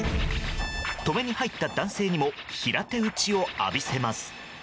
止めに入った男性にも平手打ちを浴びせます。